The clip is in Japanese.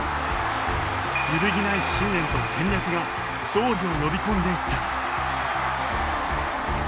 揺るぎない信念と戦略が勝利を呼び込んでいった。